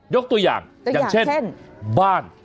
ยกตัวอย่างอย่างเช่นบ้าน